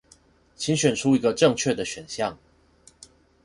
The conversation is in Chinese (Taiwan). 請選出一個正確的選項